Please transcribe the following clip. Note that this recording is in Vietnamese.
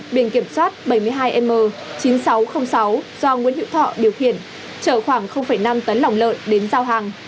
biển kiểm soát bảy mươi hai m chín nghìn sáu trăm linh sáu do nguyễn hữu thọ điều khiển chở khoảng năm tấn lòng lợn đến giao hàng